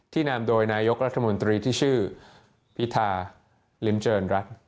นำโดยนายกรัฐมนตรีที่ชื่อพิธาลิมเจริญรัฐ